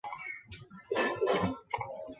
朴勍完是一名韩国男子棒球运动员。